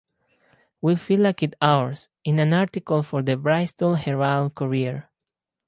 We feel like it ours, in an article for the Bristol Herald Courier.